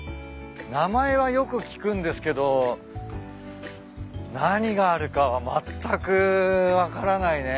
名前はよく聞くんですけど何があるかはまったく分からないね。